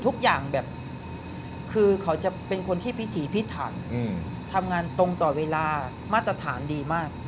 ทุกอย่างแบบคือเขาจะเป็นคนที่พิถีพิถันทำงานตรงต่อเวลามาตรฐานดีมาก